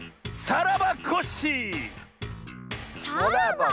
「さらばコッシー」？